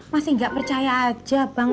masih nggak percaya aja bang